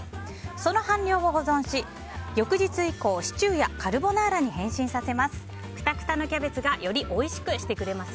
その半量を保存し、翌日以降シチューやカルボナーラに変身させます。